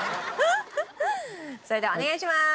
それではお願いします。